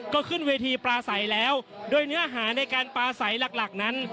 ก็ขึ้นเวทีปลาใสแล้วโดยเนื้อหาในการปลาใสหลักนั้น